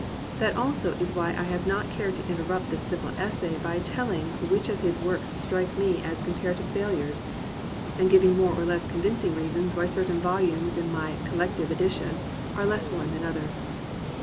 That also is why I have not cared to interrupt this simple essay by telling which of his works strike me as comparative 368 AN ADVENTURER failures, and giving more or less convincing reasons why certain volumes in my "collective edition" are less worn than others.